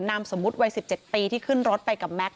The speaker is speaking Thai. นามสมมุติวัย๑๗ปีที่ขึ้นรถไปกับแม็กซ